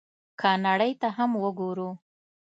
که نړۍ ته هم وګورو،